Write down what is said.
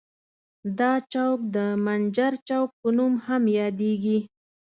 دا چوک د منجر چوک په نوم هم یادیږي.